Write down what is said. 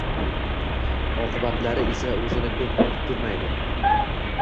Oqibatlari esa o‘zini ko‘p kuttirmaydi.